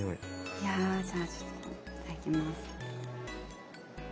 いやじゃあちょっといただきます。